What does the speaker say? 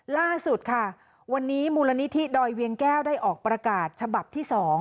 ล่าสุดค่ะวันนี้มูลนิธิดอยเวียงแก้วได้ออกประกาศฉบับที่๒